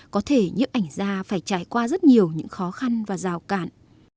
có thể nhếp ảnh gia phải trải qua rất nhiều những khó khăn và rào cản